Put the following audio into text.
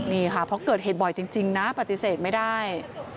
นี่ค่ะเพราะเกิดเหตุบ่อยจริงนะปฏิเสธไม่ได้